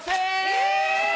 え！